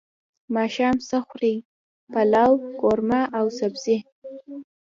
ماښام څه خورئ؟ پلاو، قورمه او سبزی